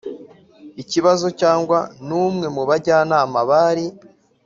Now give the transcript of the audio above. Ikibazo cyangwa n umwe mu bajyanama bari